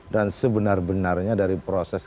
dan sebenar benarnya dari proses